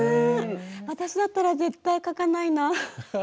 私だったら絶対描かないな。